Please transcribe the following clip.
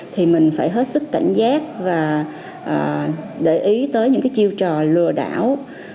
thì mình phải hết sức cảnh giác và để ý tới những cái chiêu trò lừa đảo